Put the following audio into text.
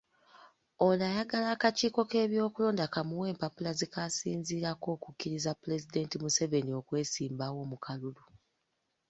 Ono ayagala akakiiko k’ebyokulonda kamuwe empapula ze kasinziirako okukkiriza Pulezidenti Museveni okwesimbawo mu kalulu.